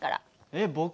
えっ僕？